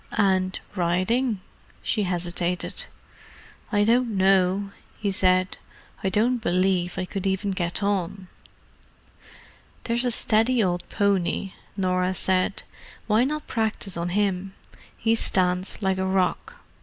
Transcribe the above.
"And riding?" she hesitated. "I don't know," he said. "I don't believe I could even get on." "There's a steady old pony," Norah said. "Why not practise on him? He stands like a rock.